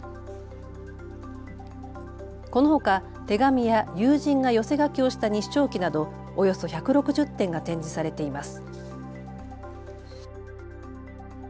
このほか手紙や友人が寄せ書きをした日章旗などおよそ１６０点が展示されています。